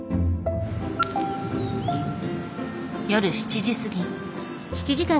夜７時過ぎ。